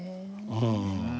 うん。